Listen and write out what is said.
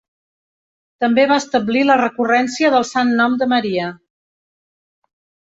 També va establir la recurrència del Sant Nom de Maria.